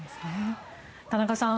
田中さん